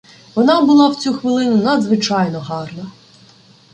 Вона була в цю хвилину надзвичайно гарна.